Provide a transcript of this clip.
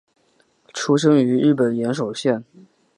出身于日本岩手县。